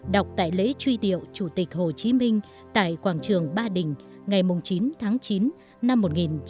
đọc tại lễ truy tiệu chủ tịch hồ chí minh tại quảng trường ba đình ngày chín tháng chín năm một nghìn chín trăm sáu mươi chín